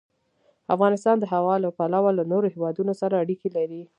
افغانستان د هوا له پلوه له نورو هېوادونو سره اړیکې لري.